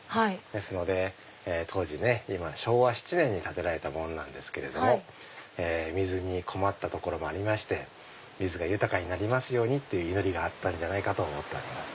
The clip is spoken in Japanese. ですので当時昭和７年に建てられたものなんですけど水に困ったところもありまして水が豊かになりますようにと祈りがあったんじゃないかと思っております。